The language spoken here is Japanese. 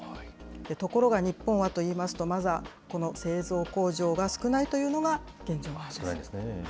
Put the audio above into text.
ところが日本はといいますと、まずは、この製造工場が少ないというのが現状なんです。